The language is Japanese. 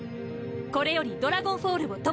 これよりドラゴンフォールを突破します！